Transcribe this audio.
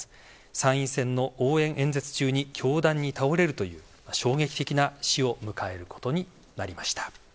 参院選の応援演説中に凶弾に倒れるという衝撃的な死を迎えることになりました。